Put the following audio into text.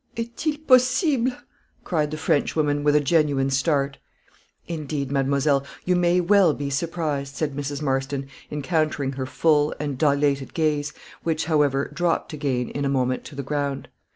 "Est il possible?" cried the Frenchwoman, with a genuine start. "Indeed, mademoiselle, you may well be surprised," said Mrs. Marston, encountering her full and dilated gaze, which, however, dropped again in a moment to the ground.